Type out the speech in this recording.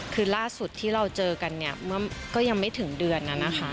คือล่าสุดที่เราเจอกันเนี่ยก็ยังไม่ถึงเดือนนั้นนะคะ